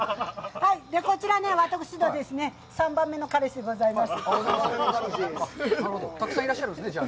こちら、私の３番目の彼氏でございます。